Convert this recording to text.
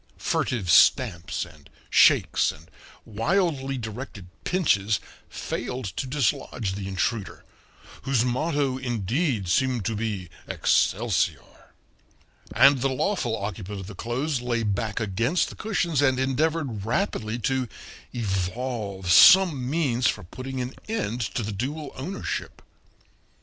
Furtive stamps and shakes and wildly directed pinches failed to dislodge the intruder, whose motto, indeed, seemed to be Excelsior; and the lawful occupant of the clothes lay back against the cushions and endeavored rapidly to evolve some means for putting an end to the dual ownership.